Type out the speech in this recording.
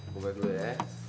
buka dulu ya